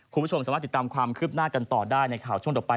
คุณผู้ชมสามารถติดตามความคืบหน้ากันต่อได้ในข่าวช่วงต่อไป